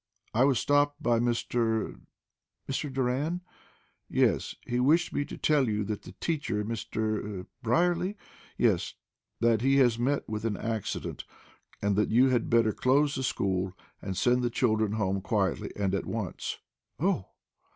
"I was stopped by Mr. " "Mr. Doran?" "Yes. He wished me to tell you that the teacher, Mr. " "Brierly?" "Yes; that he has met with an accident; and that you had better close the school, and send the children home quietly, and at once." "Oh!"